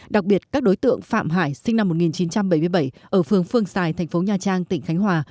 đặc biệt các đối tượng phạm hải sinh năm một nghìn chín trăm bảy mươi bảy ở phường phương xài thành phố nha trang tỉnh khánh hòa